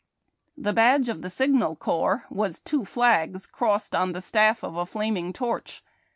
The badge of the Signal Corps was two flags crossed on the staff of a flaming torch.